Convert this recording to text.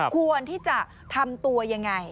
ควรที่จะทำตัวยังไง